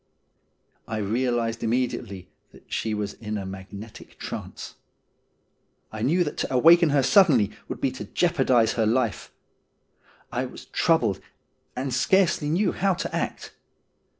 I realised immediately that she was in a magnetic trance. I knew that to awaken her suddenly would be to jeopardise her life. I was troubled, and scarcely knew how to act.